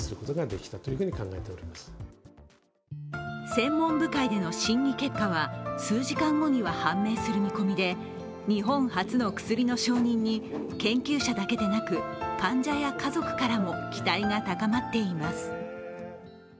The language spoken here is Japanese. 専門部会での審議結果は数時間後には判明する見込みで日本初の薬の承認に研究者だけでなく患者や家族からも期待が高まっています。